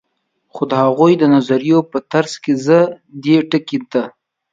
خو د هغوي د نظریو په ترڅ کی زه دې ټکي ته